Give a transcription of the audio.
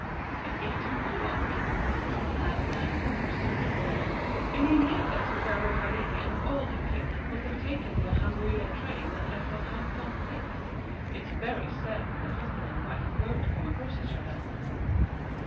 "At eight o'clock! what a madman!" resumed Pauline. "And you know that Madame Aurélie and all her clique must have taken the Rambouillet train that left at half past six. It's very certain the husband and wife won't come across each other."